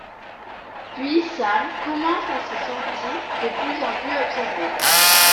Puis, Sam commence à se sentir de plus en plus observé...